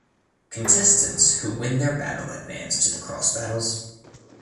Contestants who win their battle advance to the Cross battles.